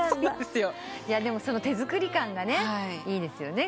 でも手作り感がいいですよね。